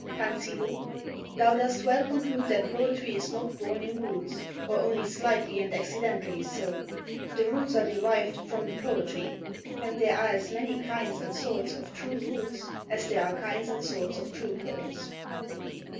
Tansillo Thou dost well conclude that poetry is not born in rules, or only slightly and accidentally so: the rules are derived, from the poetry, and there are as many kinds and sorts of true rules as there are kinds and sorts of true poets.